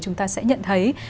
chúng ta sẽ nhận thấy